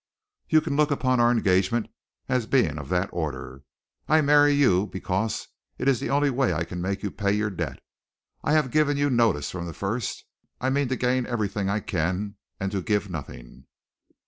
You can look upon our engagement as being of that order. I marry you because it is the only way I can make you pay your debt. I have given you notice from the first. I mean to gain everything I can, and to give nothing."